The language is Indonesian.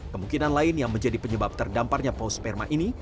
kemungkinan lain yang menjadi penyebab terdamparnya paus sperma ini